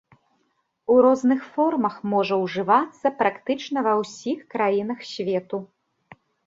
У розных формах можа ўжывацца практычна ва ўсіх краінах свету.